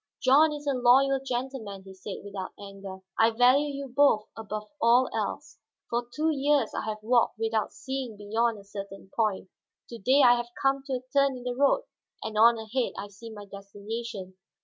"John is a loyal gentleman," he said, without anger; "I value you both above all else. For two years I have walked without seeing beyond a certain point, to day I have come to a turn in the road and on ahead I see my destination.